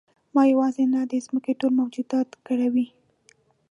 ما یوازې نه د ځمکې ټول موجودات کړوي.